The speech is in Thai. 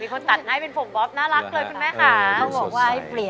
มีคนตัดให้เป็นผมบ๊อบน่ารักเลยคุณแม่ค่ะ